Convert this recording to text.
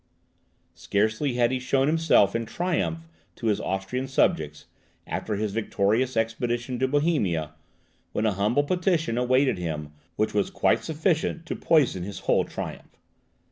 Scarcely had he shown himself in triumph to his Austrian subjects, after his victorious expedition to Bohemia, when a humble petition awaited him which was quite sufficient to poison his whole triumph.